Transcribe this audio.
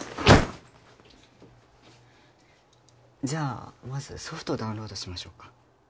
じゃあまずソフトをダウンロードしましょうか。